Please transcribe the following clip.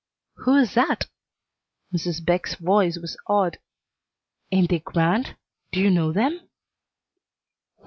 "Who is that?" Mrs. Beck's voice was awed. "Ain't they grand? Do you know them?"